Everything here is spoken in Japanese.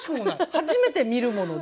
初めて見るもので。